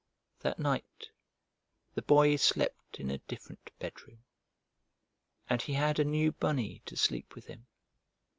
That night the Boy slept in a different bedroom, and he had a new bunny to sleep with him.